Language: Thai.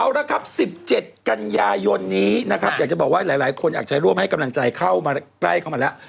เอาละครับ๑๗กันยายนนี้นะครับอยากจะบอกว่าหลายคนอยากจะร่วมให้กำลังใจเข้ามาใกล้เข้ามาแล้ว